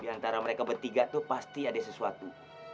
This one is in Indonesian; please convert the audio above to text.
di antara mereka bertiga itu pasti ada sesuatu